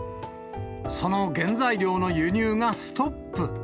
その原材料の輸入がストップ。